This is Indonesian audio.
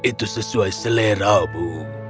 itu sesuai selera mu